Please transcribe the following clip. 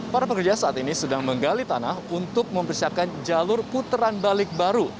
para pekerja saat ini sedang menggali tanah untuk mempersiapkan jalur putaran balik baru